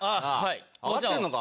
わかってんのか？